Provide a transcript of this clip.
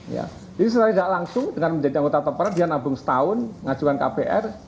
jadi secara tidak langsung dengan menjadi anggota tapera dia nabung setahun ngajukan kpr